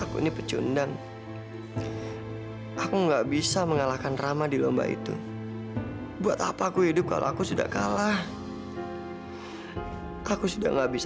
kalah lagi kalah lagi